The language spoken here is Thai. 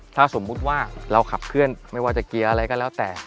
ถ้าสมมุติว่าเราขับเคลื่อนไม่ว่าจะเกียร์อะไรก็แล้วแต่